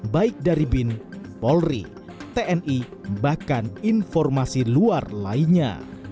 baik dari bin polri tni bahkan informasi luar lainnya